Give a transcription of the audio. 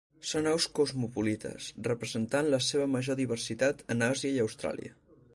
Són aus cosmopolites, presentant la seva major diversitat en Àsia i Austràlia.